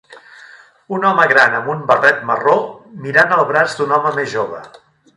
Un home gran amb un barret marró mirant el braç d"un home més jove.